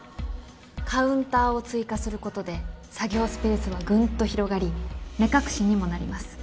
カウンターを追加することで作業スペースはぐんと広がり目隠しにもなります。